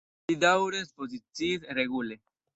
Li daŭre ekspoziciis regule.